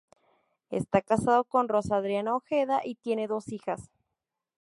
Está casado con Rosa Adriana Ojeda y tiene dos hijas.